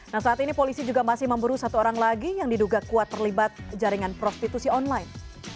nah saat ini polisi juga masih memburu satu orang lagi yang diduga kuat terlibat jaringan prostitusi online